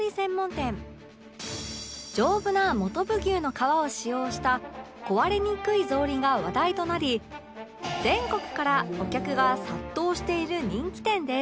丈夫なもとぶ牛の革を使用した壊れにくいぞうりが話題となり全国からお客が殺到している人気店です